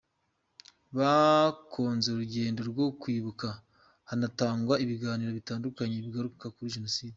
Bakoze urugendo rwo kwibuka, hanatangwa ibiganiro bitandukanye bigaruka kuri Jenoide.